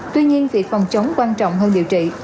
tuy nhiên việc phòng chống quan trọng hơn điều trị